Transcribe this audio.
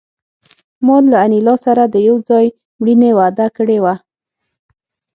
ما له انیلا سره د یو ځای مړینې وعده کړې وه